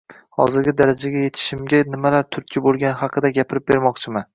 hozirgi darajaga yetishimga nimalar turtki boʻlgani haqida gapirib bermoqchiman.